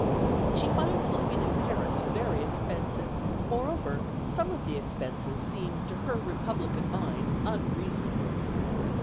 She finds living in Paris very expensive; moreover, some of the expenses seem to her republican mind unreasonable.